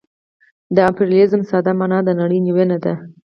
د امپریالیزم ساده مانا د نړۍ نیونه ده